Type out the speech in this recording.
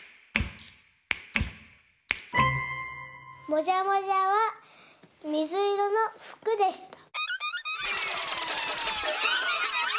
もじゃもじゃはみずいろのふくでした。